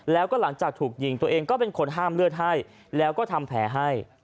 แล้วก็หลังจากถูกยิงตัวเองก็เป็นคนห้ามเลือดให้แล้วก็ทำแผลให้